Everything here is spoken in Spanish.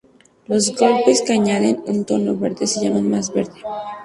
Los geles que añaden un tono verde se llaman más verde.